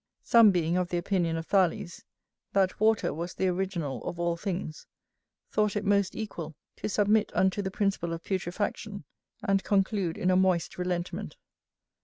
Some being of the opinion of Thales, that water was the original of all things, thought it most equal to submit unto the principle of putrefaction, and conclude in a moist relentment.